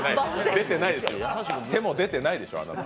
出てないでしょ、あなた。